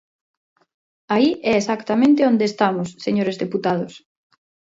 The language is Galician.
Aí é exactamente onde estamos, señores deputados.